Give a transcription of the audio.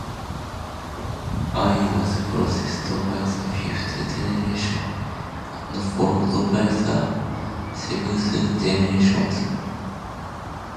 It was preceded by the Fifth Generation, and followed by the Seventh Generation.